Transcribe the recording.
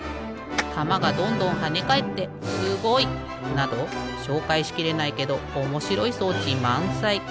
たまがどんどんはねかえってすごい！などしょうかいしきれないけどおもしろい装置まんさい！